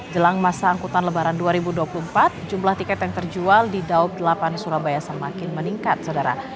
jelang masa angkutan lebaran dua ribu dua puluh empat jumlah tiket yang terjual di daob delapan surabaya semakin meningkat saudara